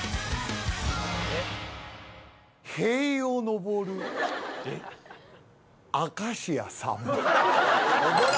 塀を登る明石家さんま。